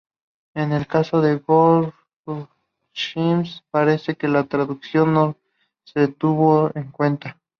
En el caso de Goldschmidt parece que la tradición no se tuvo en cuenta.